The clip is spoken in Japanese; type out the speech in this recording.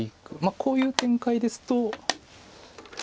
こういう展開ですと。